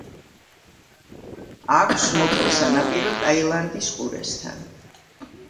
აქვს მოკლე სანაპირო ტაილანდის ყურესთან.